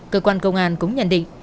cơ quan công an cũng nhận định